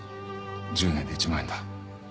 １０年で１万円だ。